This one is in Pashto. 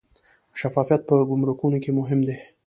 شفافیت په ګمرکونو کې مهم دی